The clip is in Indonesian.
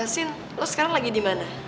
sian lo sekarang lagi dimana